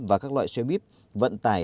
và các loại xe bíp vận tải